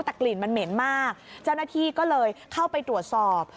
แต่กลิ่นมันเหม็นมากเจ้าหน้าที่ก็เลยเข้าไปตรวจสอบ